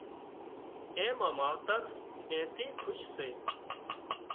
اين نان ماوتر اين ٿي کُش سي